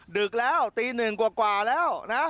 ดึกแล้วตีหนึ่งกว่าแล้วนะ